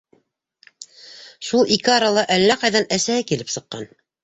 Шул ике арала әллә ҡайҙан әсәһе килеп сыҡҡан: